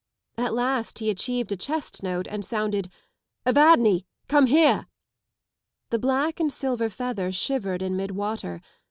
At last he achieved a chest note and shouted ŌĆö " Evadne! come here!" The black and silver feather shivered in mid*water.